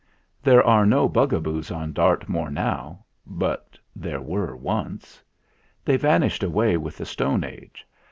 There are no Bugaboos on Dart moor now, but there were once. They van ished away with the Stone Age.